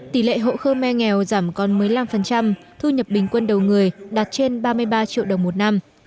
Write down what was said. tỷ lệ hộ khơ me nghèo giảm còn một mươi năm thu nhập bình quân đầu người đạt trên ba mươi ba triệu đồng một năm